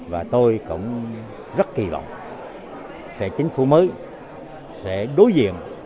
và tôi cũng rất kỳ vọng sẽ chính phủ mới sẽ đối diện